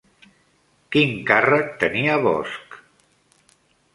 Quin càrrec tenia Bosch?